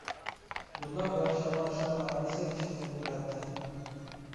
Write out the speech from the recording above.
بۇنداق ياخشى يامان ئىشلارنىڭ ھەممىسى كېچىدە يۈز بېرەتتى.